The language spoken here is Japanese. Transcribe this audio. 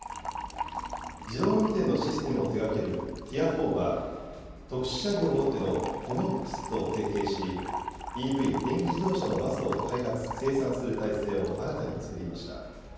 自動運転のシステムを手がけるティアフォーは、特殊車両大手のトノックスと提携し、ＥＶ・電気自動車のバスを開発・生産する体制を新たに作りました。